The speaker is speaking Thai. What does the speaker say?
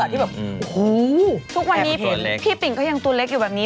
ที่แบบโอ้โหทุกวันนี้พี่ปิ่งก็ยังตัวเล็กอยู่แบบนี้